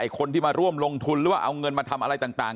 คนที่มาร่วมลงทุนหรือว่าเอาเงินมาทำอะไรต่าง